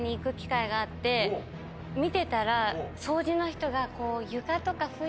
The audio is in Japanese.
見てたら。